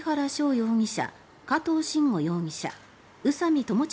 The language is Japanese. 容疑者、加藤臣吾容疑者宇佐美巴悠